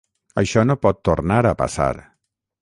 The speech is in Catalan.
Això no pot tornar a passar.